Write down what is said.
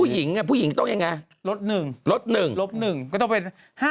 หัวคือบน